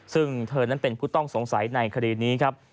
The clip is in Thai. ซึ่งเธอนั้นเป็นผู้ต้องสงสัยในคดีนี้ครับ